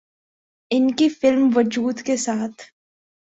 ان کی فلم ’وجود‘ کے ساتھ